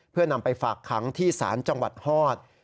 เพื่อนำไปฝากขังที่ศาลจังหวัดฮอต